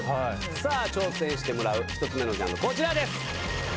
挑戦してもらう１つ目のジャンルこちらです！